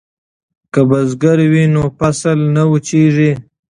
که بزګر وي نو فصل نه وچېږي.